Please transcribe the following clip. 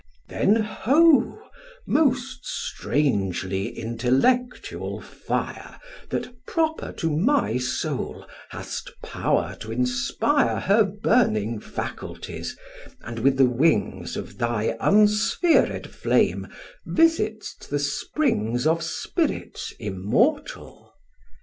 Then, ho, most strangely intellectual fire, That, proper to my soul, hast power t'inspire Her burning faculties, and with the wings Of thy unsphered flame visit'st the springs Of spirits immortal!